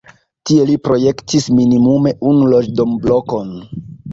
Tie li projektis minimume unu loĝdomblokon.